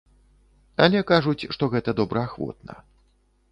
Але кажуць, што гэта добраахвотна.